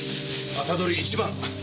朝取り一番！